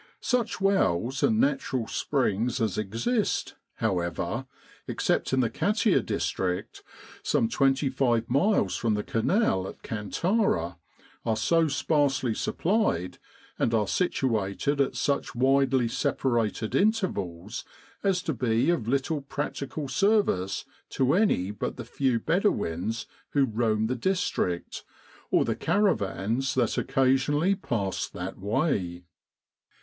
Such wells and natural springs as exist, however except in the Katia district some 25 miles from the Canal at Kantara are so sparsely supplied, and are situated at such widely separated intervals, as to be of little practical service to any but the few Bedouins who roamed the district, or the caravans that occasionally passed that way.